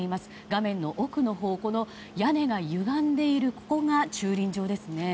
画面の奥のほう屋根がゆがんでいる、ここが駐輪場ですね。